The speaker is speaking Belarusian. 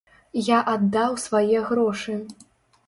Я аддаў свае грошы.